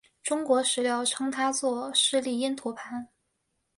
中国史料称他作释利因陀盘。